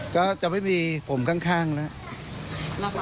ก็จะไม่มีผมข้างแล้ว